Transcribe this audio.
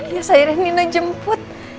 yes akhirnya nina jemput